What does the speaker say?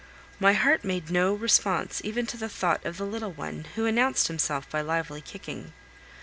My heart made no response even to the thought of the little one, who announced himself by lively kicking.